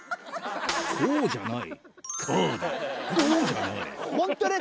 そうじゃない。